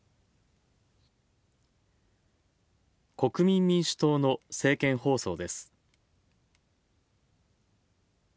国民民主党の政見放送です。